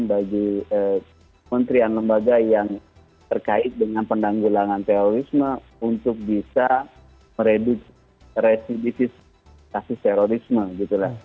jadi menterian lembaga yang terkait dengan pendanggulangan terorisme untuk bisa meredis aksi terorisme